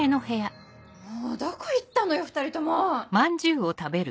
もうどこ行ったのよ２人とも！